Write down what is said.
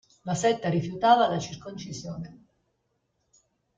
La setta rifiutava la circoncisione.